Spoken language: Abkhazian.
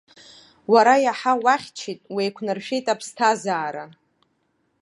Уара иаҳа уахьчеит, уеиқәнаршәеит аԥсҭазаара.